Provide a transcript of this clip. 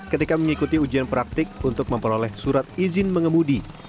ketika mengikuti ujian praktik untuk memperoleh surat izin mengemudi